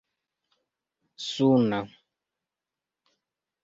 suna